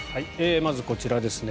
まず、こちらですね。